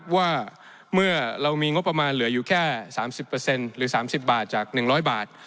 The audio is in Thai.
ว่าเมื่อเรามีงบประมาณเหลืออยู่แค่๓๐หรือ๓๐บาทจาก๑๐๐บาท